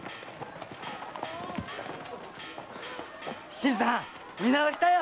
新さん見直したよ。